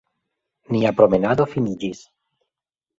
Nia promenado finiĝis.